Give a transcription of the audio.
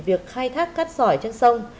việc khai thác cát sỏi trên sông